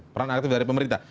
peran aktif dari pemerintah